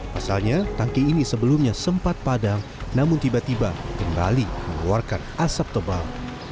pasalnya tangki ini sebelumnya sempat padam namun tiba tiba kembali mengeluarkan asap tebal